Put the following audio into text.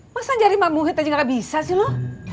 masa jadi mabuhit aja gak bisa sih lu